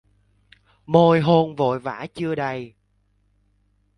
Môi hôn vội vã chưa đầy